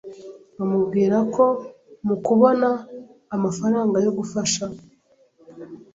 amubwira ko mu kubona amafaranga yo gufasha,